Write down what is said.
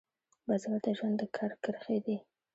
بزګر ته ژوند د کر کرښې دي